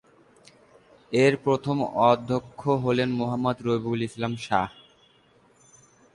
এর প্রথম অধ্যক্ষ হলেন মোহাম্মদ রবিউল ইসলাম শাহ।